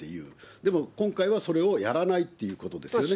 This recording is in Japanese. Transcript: でも今回はそれをやらないっていうことですよね。